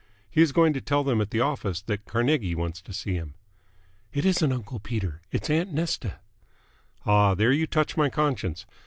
He is going to tell them at the office that Carnegie wants to see him." "It isn't uncle Peter. It's aunt Nesta." "Ah, there you touch my conscience.